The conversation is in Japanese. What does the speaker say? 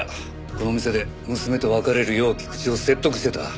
この店で娘と別れるよう菊池を説得してた。